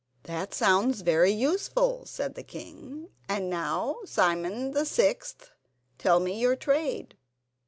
"That sounds very useful," said the king. "And now, Simon the sixth, tell me your trade."